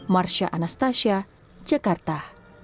marsha anastasia jakarta